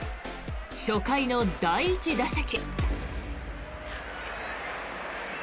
初回の第１打席。